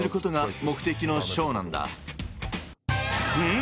ん？